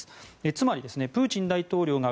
つまり、プーチン大統領が